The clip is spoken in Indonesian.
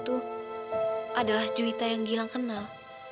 itu adalah cerita yang gilang kenal